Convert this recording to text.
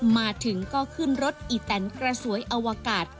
มาถึงก็ขึ้นรถอีแตนกระสวยอวกาศ